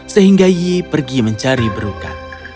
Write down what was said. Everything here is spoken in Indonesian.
janda itu mulai menangis dengan sedihnya